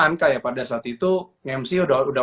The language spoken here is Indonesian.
anka ya pada saat itu nge mc udah